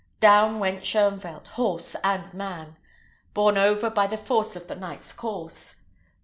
Down went Shoenvelt, horse and man, borne over by the force of the knight's course.